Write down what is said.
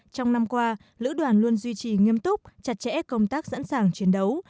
trong năm qua lữ đoàn luôn duy trì nghiêm túc chặt chẽ công tác sẵn sàng chiến đấu